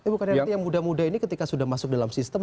bukan berarti yang muda muda ini ketika sudah masuk dalam sistem